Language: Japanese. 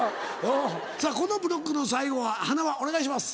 さぁこのブロックの最後ははなわお願いします。